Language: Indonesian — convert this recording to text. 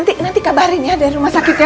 nanti kabarin ya dari rumah sakitnya